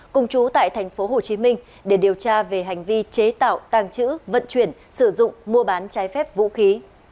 cùng chú tại tp hcm để điều tra về hành vi chế tạo tàng trữ vận chuyển sử dụng mua bán trái phép vũ khí